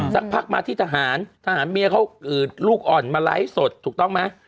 สักพักมาที่ทหารทหารเมียเขาลูกอ่อนมาไลฟ์สดถูกต้องไหม